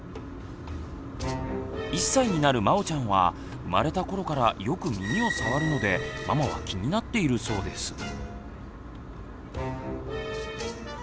１歳になるまおちゃんは生まれた頃からよく耳を触るのでママは気になっているそうです。